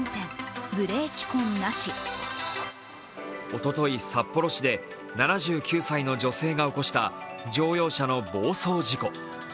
おととい、札幌市で７９歳の女性が起こした乗用車の暴走事故。